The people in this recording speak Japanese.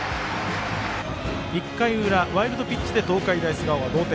１回裏、ワイルドピッチで東海大菅生が同点。